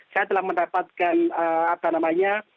saya telah mendapatkan apa namanya